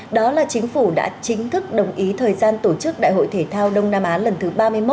đó là chính phủ đã chính thức đồng ý thời gian tổ chức đại hội thể thao đông nam á lần thứ ba mươi một